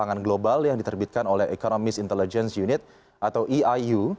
di negara negara global yang diterbitkan oleh economist intelligence unit atau eiu